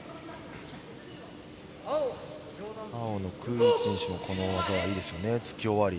青のクイリチ選手のこの技いいですね、突き終わり。